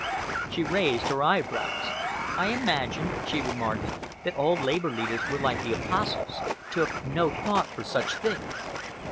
She raised her eyebrows. "I imagined," she remarked, "that all Labour leaders were like the Apostles took no thought for such things."